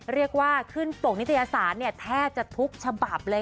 เรียกว่าขึ้นปกนิตยสารแทบจะทุกฉบับเลย